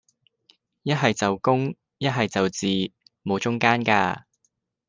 一係就公,一係就字,無中間架